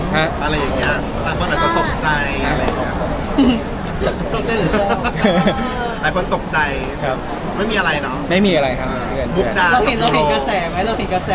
หะอะไรอย่างเงี้ยก็หลายคนอาจจะตกใจหรืออะไรยังเงี้ย